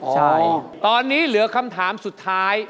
ใช่ตอนนี้เหลือคำถามสุดท้าย